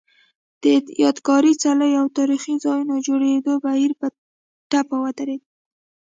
د یادګاري څلیو او تاریخي ځایونو جوړېدو بهیر په ټپه ودرېد